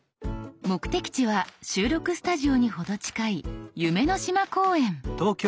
目的地は収録スタジオに程近い夢の島公園。